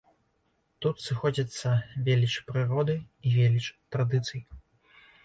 Тут сыходзяцца веліч прыроды і веліч традыцый.